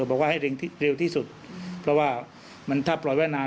แล้วบอกว่าให้เริ่มเร็วที่สุดเพราะว่าถ้าปล่อยแว่นนาน